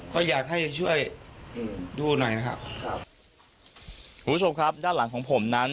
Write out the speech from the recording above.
ก็อยากให้ช่วยดูหน่อยนะครับครับคุณผู้ชมครับด้านหลังของผมนั้น